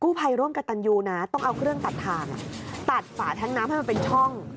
ภัยร่วมกับตันยูนะต้องเอาเครื่องตัดทางตัดฝาแท้งน้ำให้มันเป็นช่อง